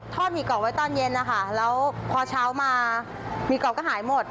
หมี่กรอบไว้ตอนเย็นนะคะแล้วพอเช้ามาหมี่กรอบก็หายหมด